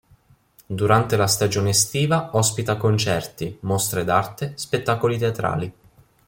Durante la stagione estiva ospita concerti, mostre d'arte, spettacoli teatrali.